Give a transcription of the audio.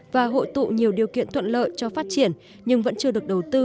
và hội tụ nhiều điều kiện thuận lợi cho phát triển nhưng vẫn chưa được đầu tư